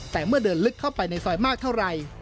แต่เมื่อเดินลึกเข้าไปในซอยมากเท่าไหร่